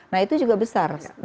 nah itu juga besar